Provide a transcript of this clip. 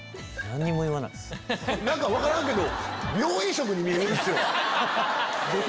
何か分からんけど。